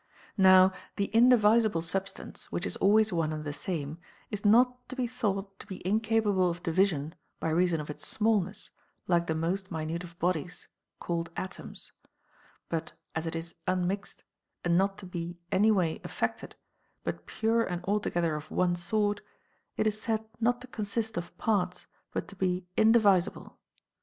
Now the indivisible substance, which is always one and the same, is not to be thought to be incapable of division by reason of its smallness, like the most minute of bodies, called atoms. But as it is u.n 350 OF THE PROCREATION OF THE SOUL. mixed, and not to be any way affected, but pure and alto gether of one sort, it is said not to consist of parts, but to be indivisible.